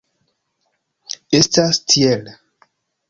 Estas tiel.